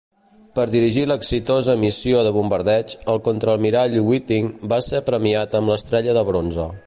Per dirigir l'exitosa missió de bombardeig, el contraalmirall Whiting va ser premiat amb l'estrella de bronze.